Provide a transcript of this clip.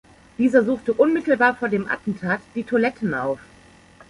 Dieser suchte unmittelbar vor dem Attentat die Toiletten auf.